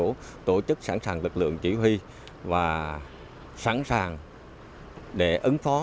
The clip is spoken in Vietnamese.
chúng tôi tổ chức sẵn sàng lực lượng chỉ huy và sẵn sàng để ứng phó